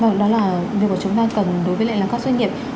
đó là điều mà chúng ta cần đối với lại là các doanh nghiệp